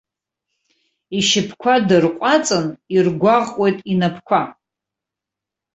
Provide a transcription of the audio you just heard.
Ишьапқәа дырҟәаҵын, иргәаҟуеит инапқәа.